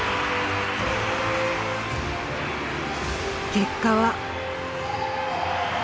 結果は。